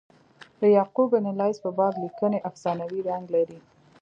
د یعقوب بن لیث په باب لیکني افسانوي رنګ لري.